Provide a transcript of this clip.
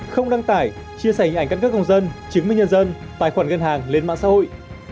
không đăng tải chia sẻ hình ảnh các công dân chứng minh nhân dân tài khoản gân hàng lên mạng xã hội